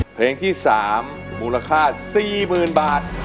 เพลงที่๓มูลค่า๔๐๐๐บาท